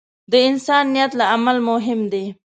د انسان نیت له عمل مهم دی.